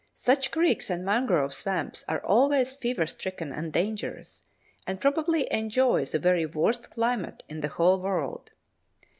Such creeks and mangrove swamps are always feverstricken and dangerous, and probably enjoy the very worst climate in the whole world.